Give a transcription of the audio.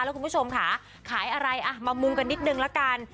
แล้วคุณผู้ชมค่ะขายอะไรอ่ะมามุมกันนิดนึงละกัน